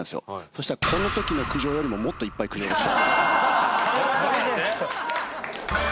そしたらこの時の苦情よりももっといっぱい苦情が来た。